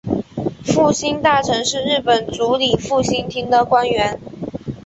复兴大臣是日本主理复兴厅的官员。